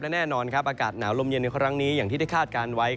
และแน่นอนอากาศหนาวลมเย็นอย่างที่ได้คาดการณ์ไว้